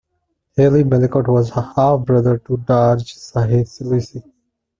Haile Melekot was half-brother to Darge Sahle Selassie.